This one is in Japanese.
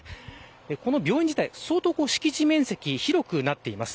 この病院自体、相当敷地面積広くなっています。